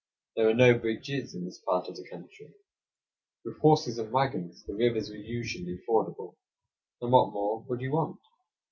There were no bridges in this part of the country. With horses and wagons the rivers were usually fordable; and what more would you want?